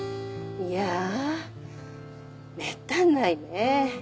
いやめったにないね。